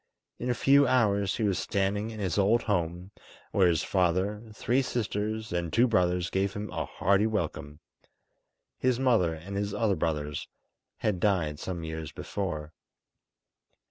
In a few hours he was standing in his old home, where his father, three sisters, and two brothers gave him a hearty welcome. His mother and his other brothers had died some years before.